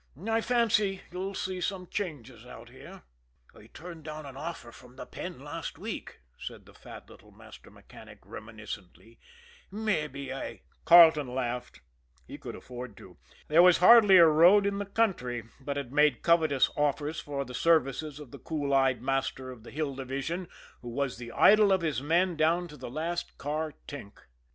I fancy you'll see some changes out here." "I turned down an offer from the Penn last week," said the fat little master mechanic reminiscently, "mabbe I " Carleton laughed he could afford to. There was hardly a road in the country but had made covetous offers for the services of the cool eyed master of the Hill Division, who was the idol of his men down to the last car tink.